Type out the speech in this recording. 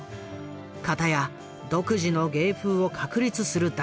かたや独自の芸風を確立する談志。